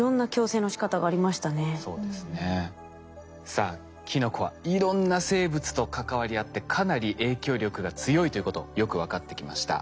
さあキノコはいろんな生物と関わり合ってかなり影響力が強いということよく分かってきました。